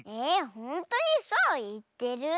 ほんとにそういってる？